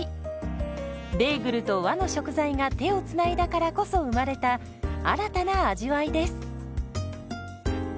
ベーグルと和の食材が手をつないだからこそ生まれた新たな味わいです。